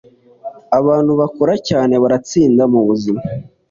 abantu bakora cyane baratsinda mubuzima